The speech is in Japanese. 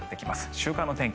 週間の天気